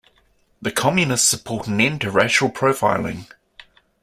The Communists support an end to racial profiling.